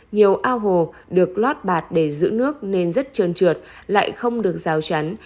nhiều ao hồ được lót bạt để giữ nước nên rất trơn trượt lại không được rào chắn